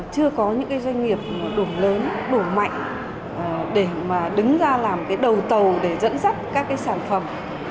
chưa có những doanh nghiệp đủ lớn đủ mạnh để mà đứng ra làm cái đầu tàu để dẫn dắt các cái sản phẩm